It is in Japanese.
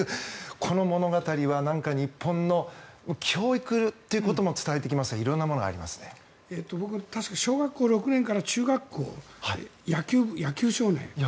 この漫画は日本の教育ということも伝えてきましたが小学校６年から中学校野球少年。